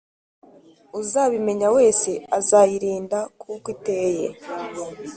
uzabimenya wese azayirinda kuko iteye